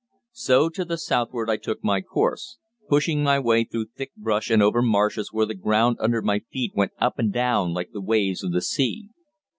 So to the southward I took my course, pushing my way through thick brush and over marshes where the ground under my feet went up and down like the waves of the sea.